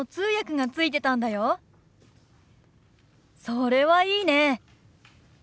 それはいいね。